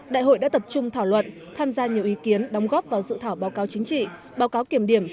đại hội đã tập trung thảo luận tham gia nhiều ý kiến đóng góp vào dự thảo báo cáo chính trị báo cáo kiểm điểm